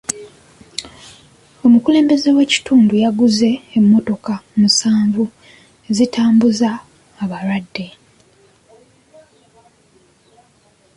Omukulembeze w'ekitundu yaguzze emmotoka musanvu ezitambuza abalwadde.